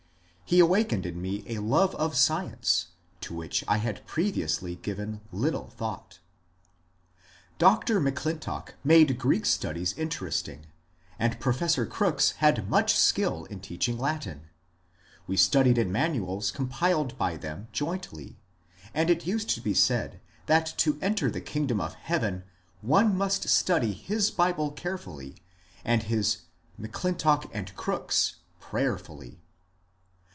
He awak ened in me a love of science, to which I had previously given little thought. Dr. M'Clintock made Greek studies interesting, and Pro fessor Crooks had much skill in teaching Latin. We studied in ManuaLs compiled by them jointly, and it used to be said that to enter the kingdom of heaven one must study his Bible carefully and his " M'Clintock and Crooks " prayerfully.